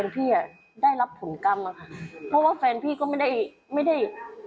เพราะแฟนพี่ก็ไม่ได้